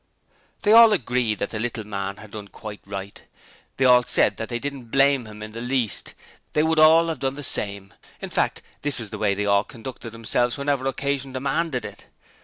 They all agreed that the little man had done quite right: they all said that they didn' blame him in the least: they would all have done the same: in fact, this was the way they all conducted themselves whenever occasion demanded it.